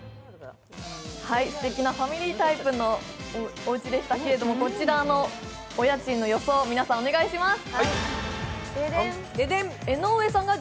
すてきなファミリータイプのおうちでしたけども、こちらのお家賃の予想を皆さん、お願いします。